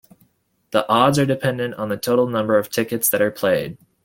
The odds are dependent on the total number of tickets that are played.